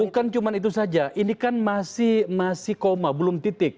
bukan cuma itu saja ini kan masih koma belum titik